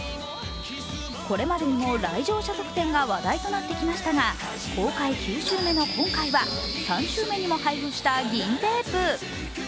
これまでにも来場者特典が話題となってきましたが、公開９週目の今回は３週目にも配布した銀テープ。